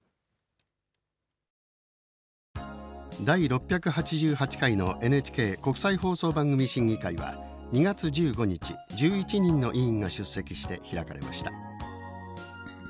第６８８回のＮＨＫ国際放送番組審議会は２月１５日１１人の委員が出席して開かれました。